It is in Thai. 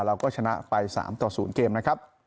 เราก็ชนะไป๓ต่อ๐เกมนะครับ